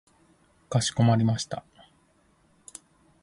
かしこまりました。